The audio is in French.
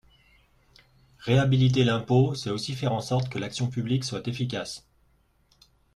Réhabiliter l’impôt, c’est aussi faire en sorte que l’action publique soit efficace.